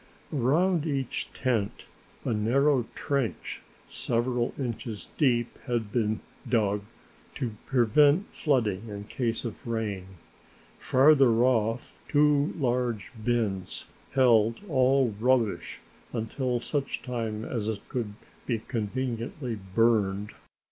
Around each tent a narrow trench several inches deep had been dug to prevent flooding in case of rain, farther off two large bins held all rubbish until such time as it could be conveniently burned.